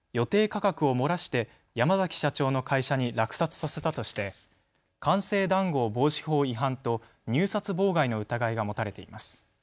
価格を漏らして山崎社長の会社に落札させたとして官製談合防止法違反と入札妨害の疑いが持たれています。